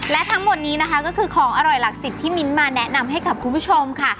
และทั้งหมดนี้นะคะก็คือของอร่อยหลักสิบที่มิ้นมาแนะนำให้กับคุณผู้ชมค่ะ